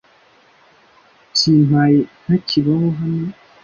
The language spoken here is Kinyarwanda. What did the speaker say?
Cyimpaye ntakibaho hano .